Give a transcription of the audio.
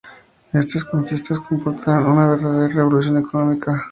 Estas conquistas comportaron una verdadera revolución económica.